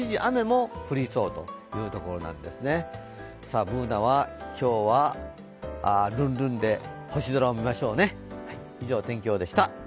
Ｂｏｏｎａは今日はルンルンで星空を見ましょうね。